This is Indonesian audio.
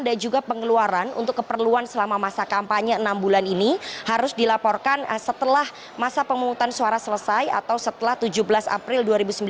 dan juga pengeluaran untuk keperluan selama masa kampanye enam bulan ini harus dilaporkan setelah masa pemutusan suara selesai atau setelah tujuh belas april dua ribu sembilan belas